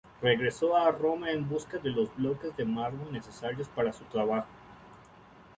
Regresó a Roma en busca de los bloques de mármol necesarios para su trabajo.